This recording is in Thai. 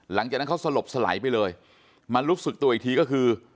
หลังจากนั้นเขาสลบสลายไปเลยมารู้สึกตัวอีกทีก็คือ